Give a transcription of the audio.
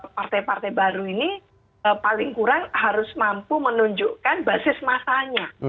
partai partai baru ini paling kurang harus mampu menunjukkan basis masanya